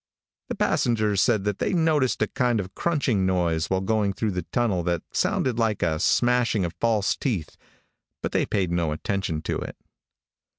The passengers said that they noticed a kind of crunching noise while going through the tunnel that sounded like the smashing of false teeth, but they paid no attention to it.